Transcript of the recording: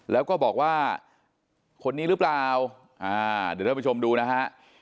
แล้วก็บอกว่าคนนี้หรือเปล่าอ่าเดี๋ยวท่านผู้ชมดูนะฮะ